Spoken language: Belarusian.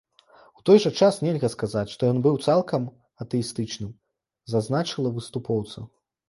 У той жа час нельга сказаць, што ён быў цалкам атэістычным, зазначыла выступоўца.